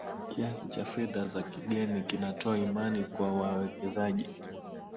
kiasi cha fedha za kigeni kinatoa imani kwa wawekezaji